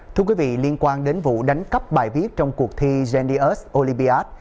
thưa quý vị liên quan đến vụ đánh cắp bài viết trong cuộc thi genius olympiad